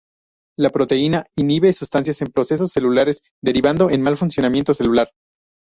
La proteína inhibe sustancias en procesos celulares, derivando en mal funcionamiento celular.